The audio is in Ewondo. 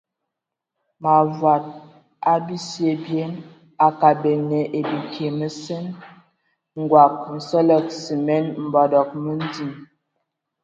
Mawad a bisye bye a kad bələna ai bikie məsen, ngɔg, nsələg simen, mbɔdɔgɔ məndie.